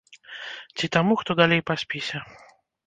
Ці таму, хто далей па спісе?